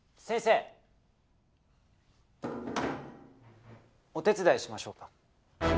先生お手伝いしましょうか？